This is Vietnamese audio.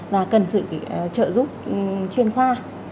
và cần sự trợ giúp chuyên khoa